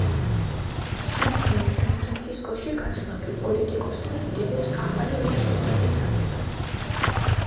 ჟასმინი სან-ფრანცისკოში გაცნობილ პოლიტიკოსთან ცდილობს ახალი ურთიერთობის აგებას.